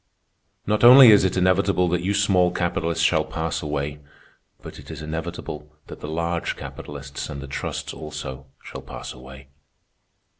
Not only is it inevitable that you small capitalists shall pass away, but it is inevitable that the large capitalists, and the trusts also, shall pass away.